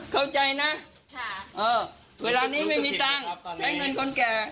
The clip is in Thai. เข้าใจนะเวลานี้ไม่มีตังค์ใช้เงินคนแก่